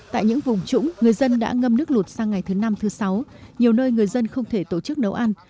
tại những vùng trũng người dân đã ngâm nước lụt sang ngày thứ năm thứ sáu nhiều nơi người dân không thể tổ chức nấu ăn